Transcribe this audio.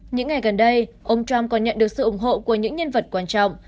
những ngày gần đây ông trump còn nhận được sự ủng hộ của những nhân vật quan trọng